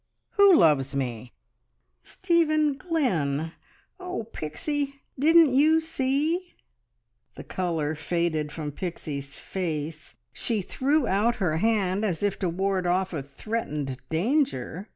"Who loves me?" "Stephen Glynn. Oh, Pixie, didn't you see?" The colour faded from Pixie's face; she threw out her hand as if to ward off a threatened danger.